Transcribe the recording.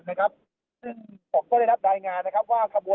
กินดอนเมืองในช่วงเวลาประมาณ๑๐นาฬิกานะครับ